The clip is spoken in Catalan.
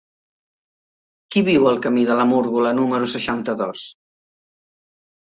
Qui viu al camí de la Múrgola número seixanta-dos?